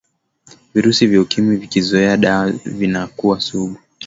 virusi vya ukimwi vikizoea dawa vinakuwa sugu